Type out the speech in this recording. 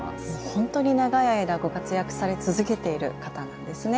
ほんとに長い間ご活躍され続けている方なんですね。